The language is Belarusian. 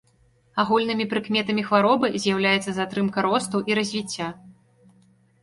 Агульнымі прыкметамі хваробы з'яўляецца затрымка росту і развіцця.